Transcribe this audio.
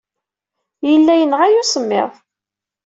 Yella yenɣa-iyi usemmiḍ.